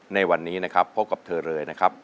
ในวันนี้นะครับพบกับเธอเลยนะครับ